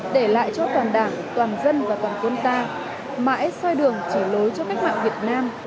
để lại cho toàn đảng toàn dân và toàn quân ta mãi soi đường chỉ lối cho cách mạng việt nam